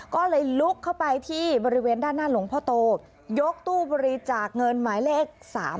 ก็เลยลุกเข้าไปที่บริเวณด้านหน้าหลวงพ่อโตยกตู้บริจาคเงินหมายเลข๓๒